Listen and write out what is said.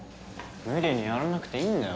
無理にやらなくていいんだよ